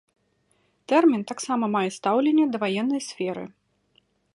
Тэрмін таксама мае стаўленне да ваеннай сферы.